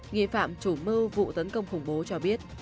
nghi phạm chủ mưu vụ tấn công khủng bố cho biết